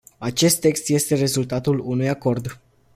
Acest text este rezultatul unui acord.